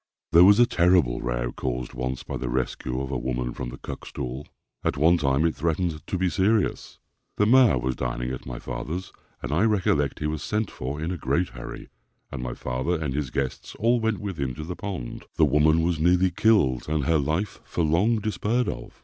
There was a terrible row caused once by the rescue of a woman from the Cuckstool. At one time it threatened to be serious. The mayor was dining at my father's, and I recollect he was sent for in a great hurry, and my father and his guests all went with him to the pond. The woman was nearly killed, and her life for long despaired of.